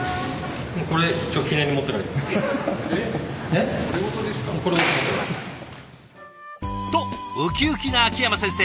これごと。とウキウキな秋山先生。